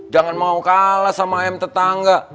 jangan mau kalah sama m tetangga